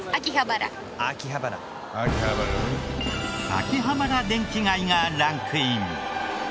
秋葉原電気街がランクイン。